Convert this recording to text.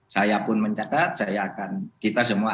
saya pun mencatat saya akan kita semua